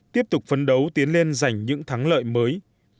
tiếp tục phấn đấu tiến lên giành những thắng lợi mới